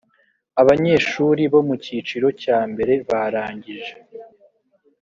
abanyeshuri bo mu cyiciro cya mbere barangije